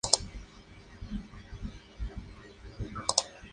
El piloto estaba sentado justo delante de las alas del biplano.